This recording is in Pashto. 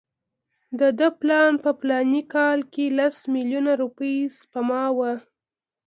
د ده پلان په فلاني کال کې لس میلیونه روپۍ سپما وه.